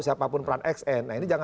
siapapun peran sn